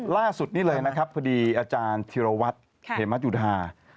ล่าสุดนี้เลยพอดีอาจารย์ธีรวชเพมทุธา